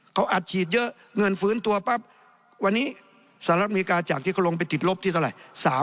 เขาอัดฉีดเยอะเงินฟื้นตัวปั๊บวันนี้สหรัฐอเมริกาจากที่เขาลงไปติดลบที่เท่าไหร่